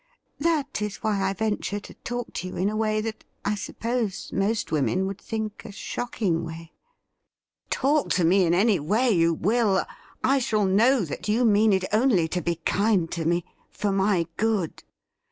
That is why I venture to talk to you in a way that I suppose most women would think a shocking way '' Talk to me in any way you will, I shall know that you mean it only to be kind to me — ^for my good.'